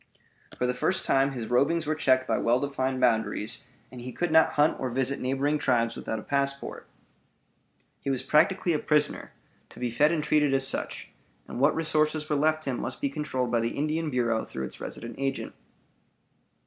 For the first time his rovings were checked by well defined boundaries, and he could not hunt or visit neighboring tribes without a passport. He was practically a prisoner, to be fed and treated as such; and what resources were left him must be controlled by the Indian Bureau through its resident agent.